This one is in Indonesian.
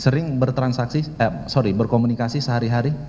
sering bertransaksi eh sorry berkomunikasi sehari hari